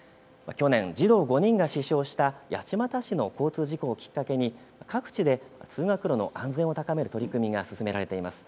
去年、児童５人が死傷した八街市の交通事故をきっかけに各地で通学路の安全を高める取り組みが進められています。